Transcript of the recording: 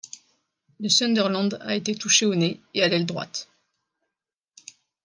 Le Sunderland a été touché au nez et a l'aile droite.